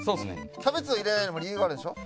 キャベツを入れないのも理由があるんでしょ？